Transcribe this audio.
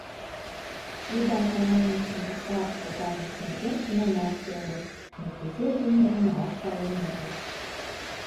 Тудо Атаманычын туткарыш логалмыж нерген тунамак колын, но кузе лиймыжым раш пален огыл.